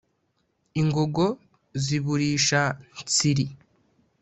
ingongo z’i burisha-nsiri